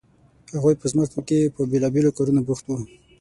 هغوی په ځمکو کې په بیلابیلو کارونو بوخت وو.